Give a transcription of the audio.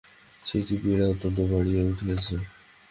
ছেলেটির পীড়া অত্যন্ত বাড়িয়া উঠিয়াছে।